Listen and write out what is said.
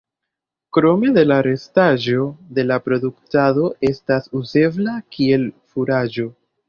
Krome la restaĵo de la produktado estas uzebla kiel furaĝo.